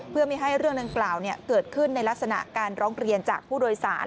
เพื่อไม่ให้เรื่องดังกล่าวเกิดขึ้นในลักษณะการร้องเรียนจากผู้โดยสาร